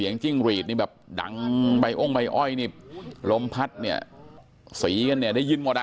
นี่แบบดังใบ้องค์ใบ้อ้อยนี่ลมพัดเนี่ยสีกันเนี่ยได้ยินหมดอ่ะ